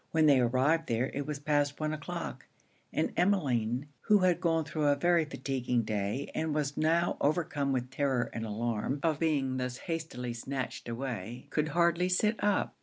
When they arrived there, it was past one o'clock; and Emmeline, who had gone thro' a very fatigueing day, and was now overcome with the terror and alarm of being thus hastily snatched away, could hardly sit up.